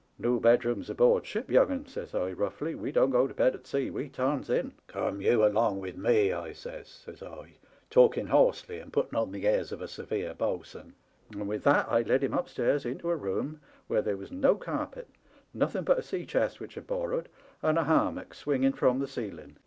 "* No bedrooms aboard ship, young 'un,' says I, roughly, * we don't go to bed at sea, we tarns in. Come you along with me,* I says, says I, talking hoarsely and putting on the airs of a severe bo'sun ; and with that I led him upstairs into a room where there was no carpet, nothen but a sea chest which I'd borrowed, and a hammock swinging from the ceiling.